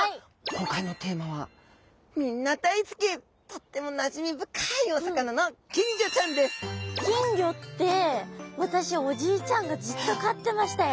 今回のテーマはみんな大好きとってもなじみ深いお魚の金魚って私おじいちゃんがずっと飼ってましたよ。